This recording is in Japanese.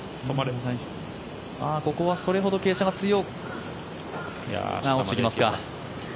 ここはそれほど傾斜が強く落ちていきますか。